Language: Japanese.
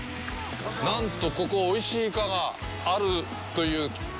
なんと、ここ、おいしいイカがあるという。